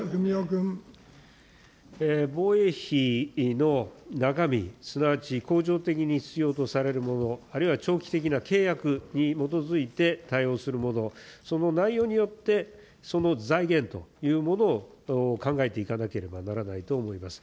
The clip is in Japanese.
防衛費の中身、すなわち恒常的に必要とされるもの、あるいは長期的な契約に基づいて対応するもの、その内容によって、その財源というものを考えていかなければならないと思います。